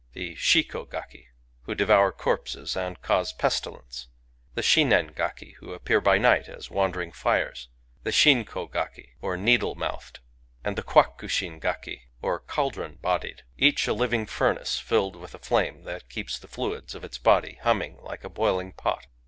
; the Sbikko gaki, who devour corpses and cause pestilence; the Sbinen gakiy who appear by night as wandering fires; the Shin ko gakiy or Needle mouthed ; and the Kwaku shin gakiy Digitized by Google T, i f 190 GAKI or Cauldron bodied, — each a living furnace, filled with flame that keeps the fluids of its body hum ming like a boiling pot.